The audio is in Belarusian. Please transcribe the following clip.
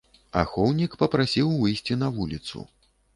Ахоўнік папрасіў выйсці на вуліцу.